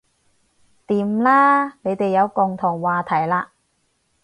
掂啦你哋有共同話題喇